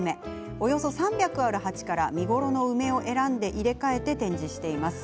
およそ３００ある鉢から見頃の梅を選んで入れ替えて展示しています。